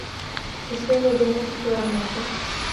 جس میں وہ دونوں خوشگوار موسم